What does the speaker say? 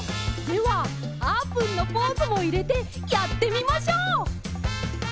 ではあーぷんのポーズもいれてやってみましょう！